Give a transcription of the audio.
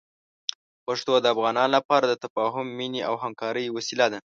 پښتو د افغانانو لپاره د تفاهم، مینې او همکارۍ وسیله ده.